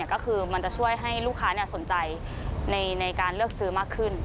ก็คือมันจะช่วยให้ลูกค้าสนใจในการเลือกซื้อมากขึ้น